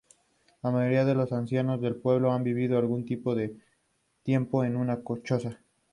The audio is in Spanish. La mayoría de los ancianos del pueblo han vivido algún tiempo en una choza.